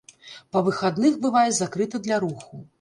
Па выхадных бывае закрыта для руху.